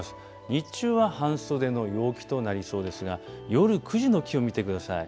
日中は半袖の陽気となりそうですが夜９時の気温、見てください。